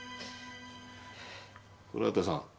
古畑さん。